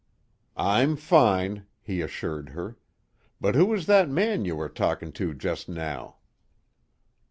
"I'm fine," he assured her. "But who was that man you were talking to just now?"